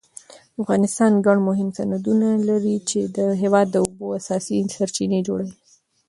افغانستان ګڼ مهم سیندونه لري چې د هېواد د اوبو اساسي سرچینې جوړوي.